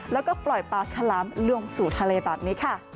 แล้วก็ปล่อยปลาฉลามลงสู่ทะเลแบบนี้ค่ะ